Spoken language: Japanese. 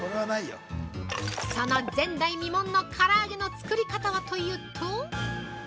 その前代未聞のから揚げの作り方はというと？